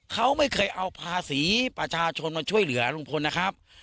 เขาไม่เคยเอาภาษีประชาชนมาช่วยเหลือลุงพลนะครับ